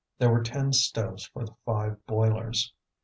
There were ten stoves for the five boilers.